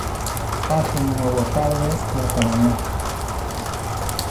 Pasen unha boa tarde e ata mañá.